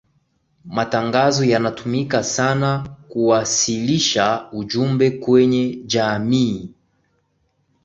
matangazo yanatumika sana kuwasilisha ujumbe kwenye jamii